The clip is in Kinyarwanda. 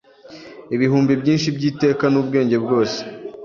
Ibihumbi byinshi byiteka nubwenge bwose